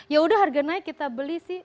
ya udah harga naik kita beli sih